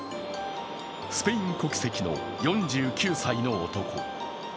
スペイン国籍の４９歳の男。